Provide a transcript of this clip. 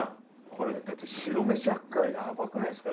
これだって白飯あっからやばくないですか？